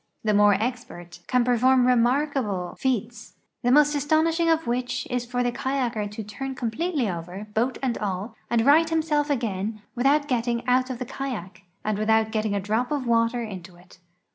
The more expert can i)erfonn remarkable feats, the most astonishing of wdiich is for the kayaker to turn com pletely over, boat and all, and right himself again without get ting out of the kayak, and without getting a drop of water into it.